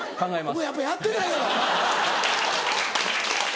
お前やっぱやってないやろ！